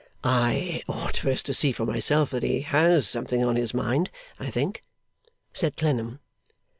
'I ought first to see for myself that he has something on his mind, I think,' said Clennam.